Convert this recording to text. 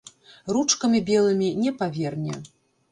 Ручкамі белымі не паверне.